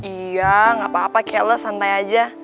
iya gak apa apa kayak lo santai aja